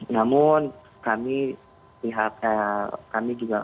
namun kami pihak kami juga